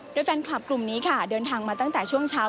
โดยแฟนคลับกลุ่มนี้ค่ะเดินทางมาตั้งแต่ช่วงเช้า